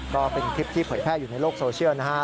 ก็เป็นคลิปที่เผยแพร่อยู่ในโลกโซเชียลนะฮะ